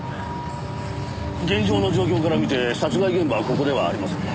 現場の状況から見て殺害現場はここではありません。